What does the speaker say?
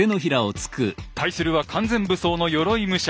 対するは完全武装のよろい武者。